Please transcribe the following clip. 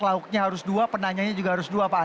lauknya harus dua penanyanya juga harus dua pak